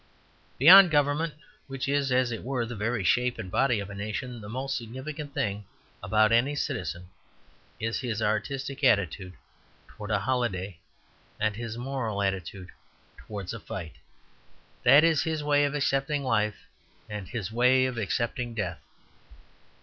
Beyond government, which is, as it were, the very shape and body of a nation, the most significant thing about any citizen is his artistic attitude towards a holiday and his moral attitude towards a fight that is, his way of accepting life and his way of accepting death.